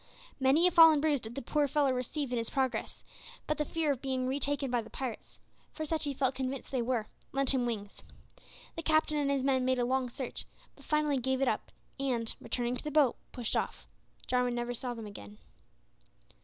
Many a fall and bruise did the poor fellow receive in his progress, but the fear of being retaken by the pirates for such he felt convinced they were lent him wings. The Captain and his men made a long search, but finally gave it up, and, returning to the boat, pushed off. Jarwin never saw them again.